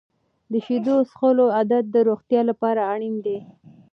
د شیدو د څښلو عادت د روغتیا لپاره اړین دی.